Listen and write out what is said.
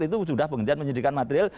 itu sudah penghentian penyidikan material